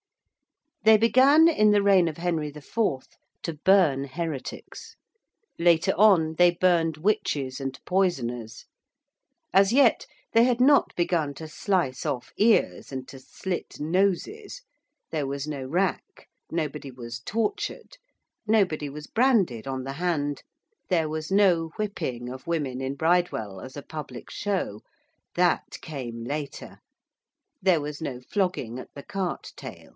They began in the reign of Henry IV. to burn heretics. Later on they burned witches and poisoners. As yet they had not begun to slice off ears and to slit noses: there was no rack: nobody was tortured: nobody was branded on the hand: there was no whipping of women in Bridewell as a public show that came later: there was no flogging at the cart tail.